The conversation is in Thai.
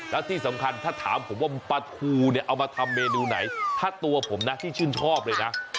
แล้วที่สำคัญถ้าถามผมว่าปลาทูเนี่ยเอามาทำเมนูไหนถ้าตัวผมนะที่ชื่นชอบเลยนะ